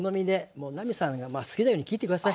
もう奈実さんが好きなように切って下さい。